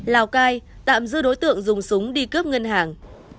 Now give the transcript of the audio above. lào cai tạm giữ đối tượng dùng súng đi cướp ngân hàng